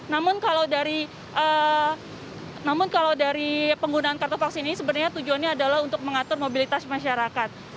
namun kalau dari penggunaan kartu vaksin ini sebenarnya tujuannya adalah untuk mengatur mobilitas masyarakat